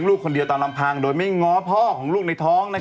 อ๋อหรอพี่คิดว่าอย่างนั้นใช่ไหม